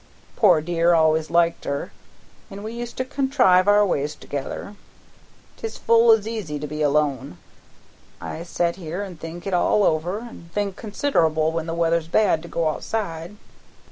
Poor dear always liked her, and we used to contrive our ways together. 'Tis full as easy to be alone. I set here an' think it all over, an' think considerable when the weather's bad to go outside.